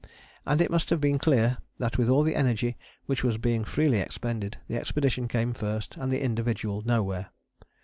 And it must have been clear that with all the energy which was being freely expended, the expedition came first, and the individual nowhere.